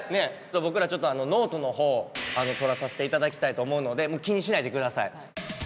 僕らちょっとノートの方取らさせて頂きたいと思うので気にしないでください。